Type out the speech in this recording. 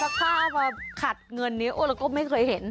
มีต้นแปลงซักผ้าขัดเงินเนื้อโอลักอุปแม่เคยเห็น